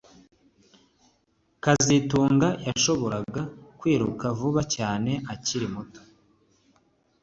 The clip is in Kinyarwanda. kazitunga yashoboraga kwiruka vuba cyane akiri muto